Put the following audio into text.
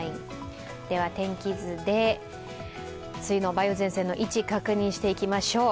天気図で梅雨の梅雨前線の位置、確認していきましょう。